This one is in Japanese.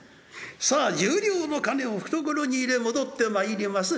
さあ１０両の金を懐に入れ戻ってまいります。